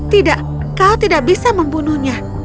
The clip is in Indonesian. tidak kau tidak bisa membunuhnya